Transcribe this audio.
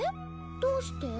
どうして？